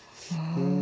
うん。